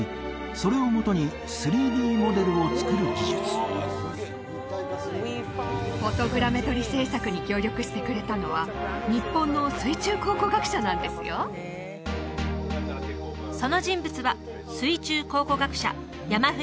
それをもとに３Ｄモデルを作る技術フォトグラメトリ制作に協力してくれたのはその人物は水中考古学者山舩